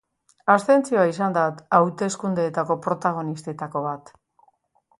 Abstentzioa izan da hauteskundeetako protagonistetako bat.